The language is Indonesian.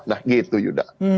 nah gitu yuda